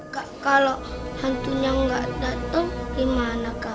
kak kalo hantunya gak dateng gimana kak